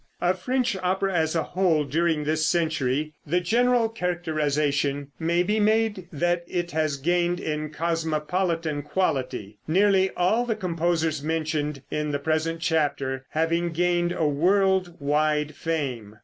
Of French opera as a whole during this century, the general characterization may be made that it has gained in cosmopolitan quality, nearly all the composers mentioned in the present chapter having gained a world wide fame.